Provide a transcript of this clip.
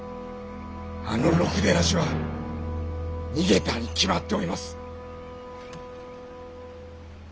あのろくでなしは逃げたに決まっております！